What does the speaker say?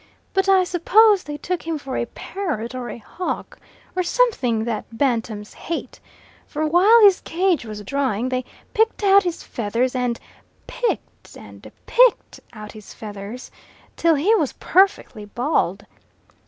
But I suppose they took him for a parrot or a hawk, or something that bantams hate for while his cage was drying they picked out his feathers, and PICKED and PICKED out his feathers, till he was perfectly bald.